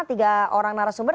tiga orang narasumber